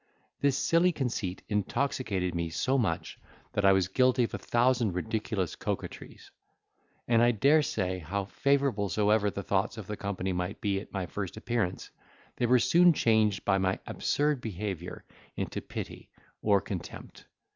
This silly conceit intoxicated me so much, that I was guilty of a thousand ridiculous coquetries; and I dare say, how favourable soever the thoughts of the company might be at my first appearance, they were soon changed by my absurd behaviour into pity or contempt.